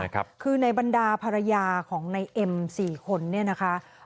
คือในบรรดาภรรยาของในเอ็ม๔คนเนี่ยนะคะ